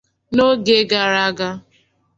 N'oge gara aga